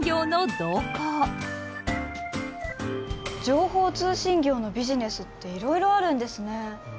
情報通信業のビジネスっていろいろあるんですね。